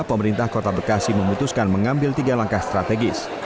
pemerintah kota bekasi memutuskan mengambil tiga langkah strategis